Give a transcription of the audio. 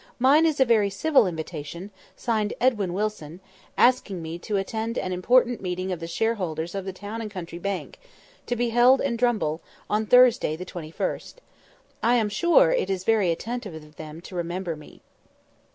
Mine is a very civil invitation, signed 'Edwin Wilson,' asking me to attend an important meeting of the shareholders of the Town and County Bank, to be held in Drumble, on Thursday the twenty first. I am sure, it is very attentive of them to remember me."